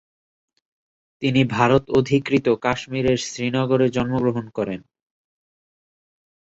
তিনি ভারত অধিকৃত কাশ্মীরের শ্রীনগরে জন্মগ্রহণ করেন।